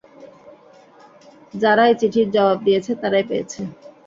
যারাই চিঠির জবাব দিয়েছে তারাই পেয়েছে?